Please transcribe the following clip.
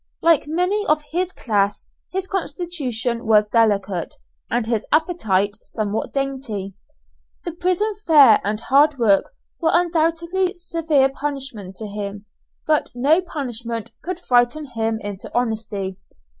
Like many of his class, his constitution was delicate, and his appetite somewhat dainty. The prison fare and hard work were undoubtedly severe punishment to him; but no punishment could frighten him into honesty.